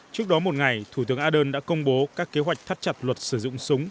trước đó một ngày thủ tướng adern đã công bố các kế hoạch thắt chặt luật sử dụng súng